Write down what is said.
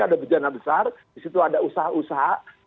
ada berjana besar disitu ada usaha usaha